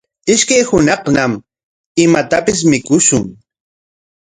Ishkay hunaqñam imatapis mikuntsu.